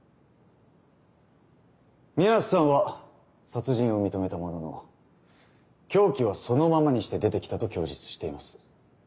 水無瀬さんは殺人を認めたものの凶器はそのままにして出てきたと供述しています。